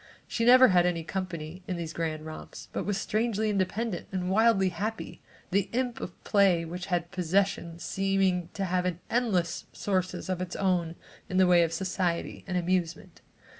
She never had any company in these grand romps, but was strangely independent and wildly happy, the imp of play which had possession, seeming to have endless sources of its own in the way of society and amusement.